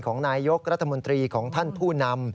ของนายยกรัฐมนตรีของท่านผู้นำ